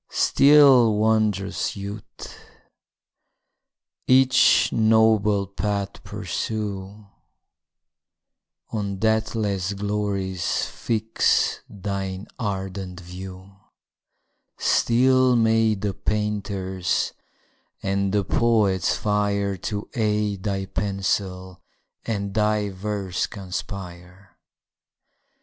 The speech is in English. Still, wond'rous youth! each noble path pursue, On deathless glories fix thine ardent view: Still may the painter's and the poet's fire To aid thy pencil, and thy verse conspire!